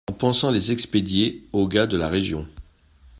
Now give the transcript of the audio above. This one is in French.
En pensant les expédier aux gars de la Région.